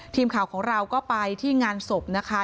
ทีมข่าวของเราก็ไปที่งานศพนะคะ